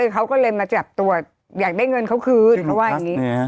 เขาก็เลยมาจับตัวอยากได้เงินเขาคืนเขาว่าอย่างนี้